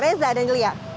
reza dan yulia